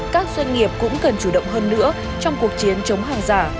các doanh nghiệp cũng cần chủ động hơn nữa trong cuộc chiến chống hàng giả